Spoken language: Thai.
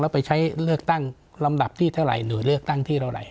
แล้วไปใช้เลือกตั้งลำดับที่เท่าไหร่หน่วยเลือกตั้งที่เท่าไหร